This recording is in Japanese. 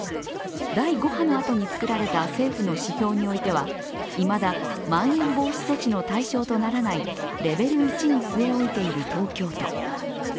第５波のあとに作られた政府の指標においてはいまだまん延防止措置の対象とならないレベル１に据え置いている東京都。